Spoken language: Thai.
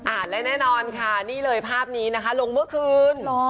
และแน่นอนค่ะนี่เลยภาพนี้นะคะลงเมื่อคืน